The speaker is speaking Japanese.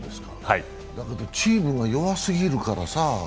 だけどチームが弱すぎるからさあ。